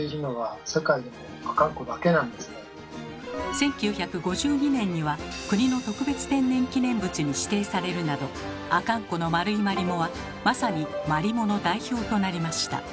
１９５２年には国の特別天然記念物に指定されるなど阿寒湖の丸いマリモはまさにマリモの代表となりました。